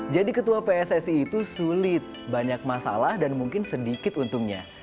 jadi ketua pssi itu sulit banyak masalah dan mungkin sedikit untungnya